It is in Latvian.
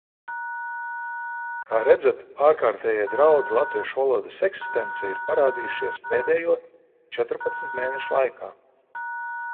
Kā redzat, ārkārtējie draudi latviešu valodas eksistencei ir parādījušies pēdējo četrpadsmit mēnešu laikā.